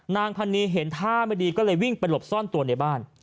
นางพันนีเห็นท่าไม่ดีก็เลยวิ่งไปหลบซ่อนตัวในบ้าน